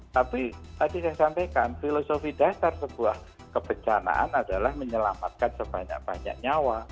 tapi tadi saya sampaikan filosofi dasar sebuah kebencanaan adalah menyelamatkan sebanyak banyak nyawa